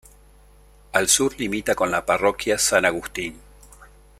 Al sur limita con la Parroquia San Agustín.